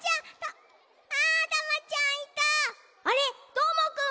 どーもくん！